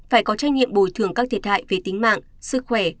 phải có trách nhiệm bồi thường các thiệt hại về tính mạng sức khỏe